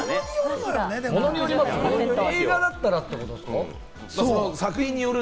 映画だったらってこと？